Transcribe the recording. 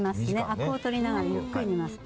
アクを取りながらゆっくり煮ます。